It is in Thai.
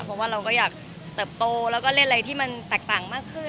เพราะว่าเราก็อยากเติบโตแล้วก็เล่นอะไรที่มันแตกต่างมากขึ้น